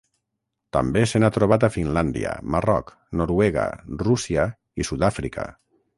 També se n'ha trobat a Finlàndia, Marroc, Noruega, Rússia i Sud-àfrica.